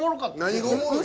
何がおもろいの？